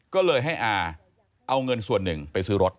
ก็เลยให้อาเอาเงินส่วนหนึ่งไปซื้อรถ